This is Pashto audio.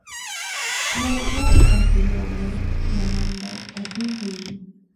سوالګر ته یو ملنډه ټپي کوي